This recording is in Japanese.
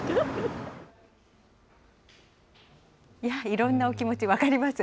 いろんなお気持ち、分かります。